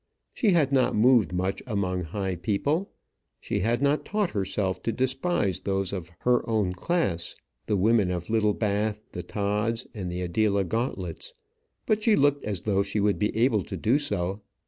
She had not moved much among high people; she had not taught herself to despise those of her own class, the women of Littlebath, the Todds and the Adela Gauntlets; but she looked as though she would be able to do so.